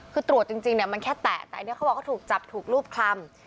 คือตรวจจริงเนี่ยมันแค่แตะแต่อันนี้เขาบอกเขาถูกจับถูกรูปคลำ